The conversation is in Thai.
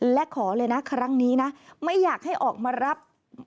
และขอเลยนะครั้งนี้นะไม่อยากให้ออกมารับ